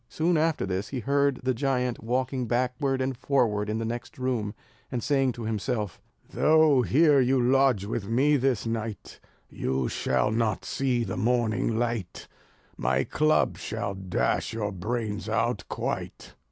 Soon after this he heard the giant walking backward and forward in the next room, and saying to himself: "Though here you lodge with me this night, You shall not see the morning light; My club shall dash your brains out quite."